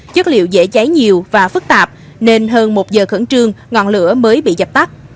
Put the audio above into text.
chất liệu dễ cháy nhiều và phức tạp nên hơn một giờ khẩn trương ngọn lửa mới bị dập tắt